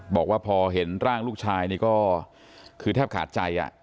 บอกว่าพอเห็นร่างลูกชายนี่ก็คือแทบขาดใจ